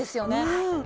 うん。